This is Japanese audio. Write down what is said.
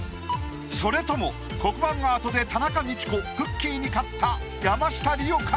それとも黒板アートで田中道子くっきー！に勝った山下リオか？